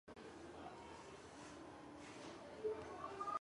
这种子流派的游戏剧情通常具有较强的暴力犯罪主题。